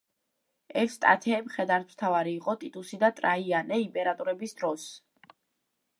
ევსტათე მხედართმთავარი იყო ტიტუსი და ტრაიანე იმპერატორების დროს.